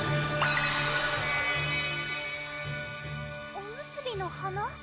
おむすびの花？